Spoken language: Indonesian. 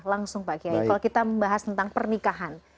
langsung pak kiai kalau kita membahas tentang pernikahan